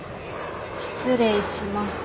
失礼します。